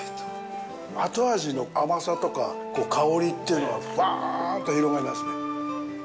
あと味の甘さとか、香りっていうのがファンと広がりますね。